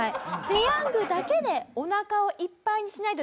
ペヤングだけでおなかをいっぱいにしないとダメだ！